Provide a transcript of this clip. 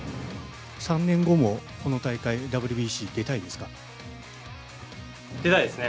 ３年後もこの大会、出たいですね。